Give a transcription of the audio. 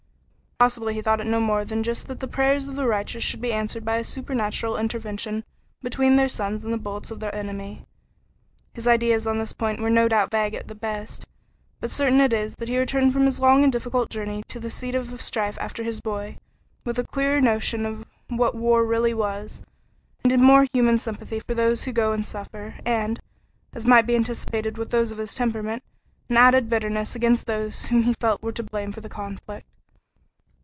Possibly he thought it no more than just that the prayers of the righteous should be answered by a supernatural intervention between their sons and the bullets of the enemy. His ideas on this point were no doubt vague at the best, but certain it is that he returned from his long and difficult journey to the seat of strife after his boy, with a clearer notion of what war really was, and a more human sympathy for those who go and suffer, and, as might be anticipated with those of his temperament, an added bitterness against those whom he felt were to blame for the conflict.